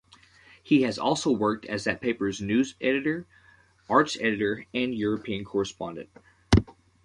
He has also worked as that paper's news editor, arts editor and European correspondent.